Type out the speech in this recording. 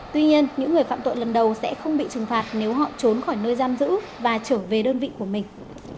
tuy nhiên những người phạm tội lần đầu sẽ không bị trừng phạt nếu họ trốn khỏi nơi giam giữ và trở về đơn vị của mình